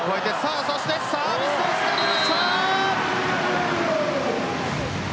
サービスエースが出ました。